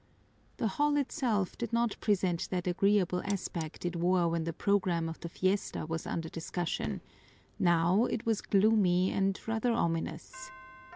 The hall itself did not present that agreeable aspect it wore when the program of the fiesta was under discussion now it was gloomy and rather ominous.